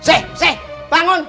eh eh bangun